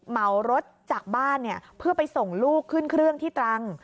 เหมารถจากบ้านเพื่อไปส่งลูกขึ้นเครื่องที่ตรัง